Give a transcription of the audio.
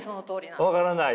分からない？